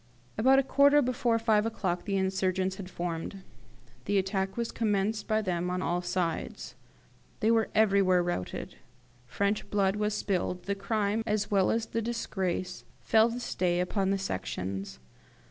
"At a quarter before five o'clock the insurgents had formed. The attack was commenced by them on all sides. They were everywhere routed. French blood was spilled: the crime, as well as the disgrace, fell this day upon the Sections.